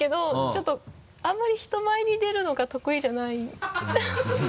ちょっとあんまり人前に出るのが得意じゃないので。